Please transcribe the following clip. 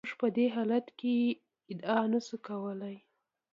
موږ په دې حالت کې ادعا نشو کولای.